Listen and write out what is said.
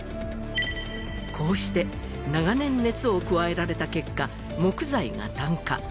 こうして長年熱を加えられた結果木材が炭化。